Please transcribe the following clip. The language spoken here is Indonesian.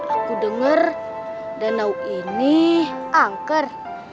aku dengar danau ini angker